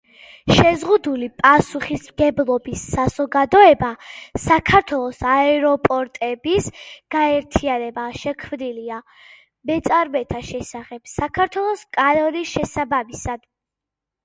შეზღუდული პასუხისმგებლობის საზოგადოება „საქართველოს აეროპორტების გაერთიანება“ შექმნილია „მეწარმეთა შესახებ“ საქართველოს კანონის შესაბამისად.